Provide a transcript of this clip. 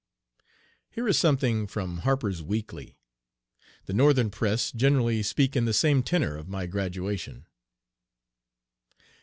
Here is something from Harper's Weekly. The northern press generally speak in the same tenor of my graduation.